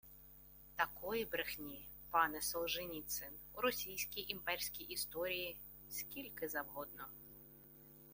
Такої брехні, пане Солженіцин, у російській імперській історії скільки завгодно: